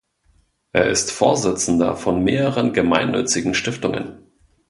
Er ist Vorsitzender von mehreren gemeinnützigen Stiftungen.